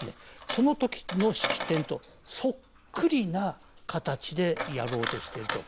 その時の式典とそっくりな形でやろうとしていると。